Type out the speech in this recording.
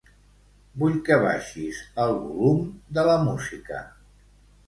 Vull que baixis el volum de la música.